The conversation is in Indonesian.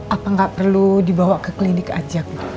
apa gak perlu dibawa ke klinik aja bu